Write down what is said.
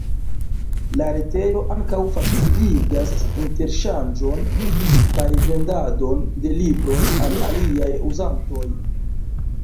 La retejo ankaŭ faciligas interŝanĝon kaj vendadon de libroj al aliaj uzantoj.